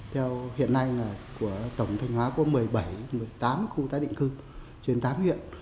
theo hiện nay của tổng thanh hóa có một mươi bảy một mươi tám khu tái định cư trên tám huyện